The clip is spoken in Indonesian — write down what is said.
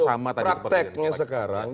sama tadi prakteknya sekarang